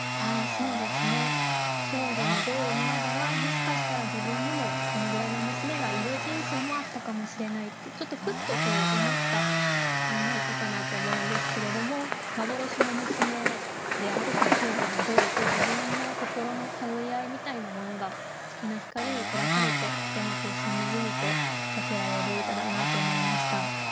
「少女の像」を見ながらもしかしたら自分にもこのぐらいの娘がいる人生もあったかもしれないってちょっとふっとそう思ったそんな歌かなと思うんですけれども幻の娘である「少女の像」と自分の心の通い合いみたいなものが月の光に照らされてとてもしみじみとさせられる歌だなと思いました。